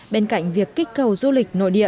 bên cạnh việc kích cầu du lịch nội địa